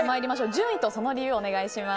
順位とその理由をお願いします。